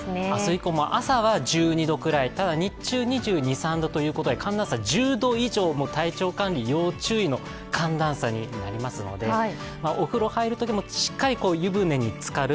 以降も朝は１２度くらいただ、日中２２２３度ということで、寒暖差１２度以上、体調管理要注意の寒暖差になりますので、お風呂入るときもしっかり湯船につかる